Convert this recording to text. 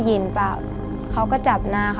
พี่น้องของหนูก็ช่วยย่าทำงานค่ะ